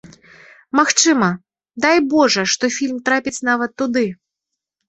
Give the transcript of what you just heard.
Магчыма, дай божа, што фільм трапіць нават туды.